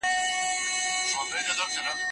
د تنقید په ذریعه، موږ کافي معلومات ترلاسه کولی شو.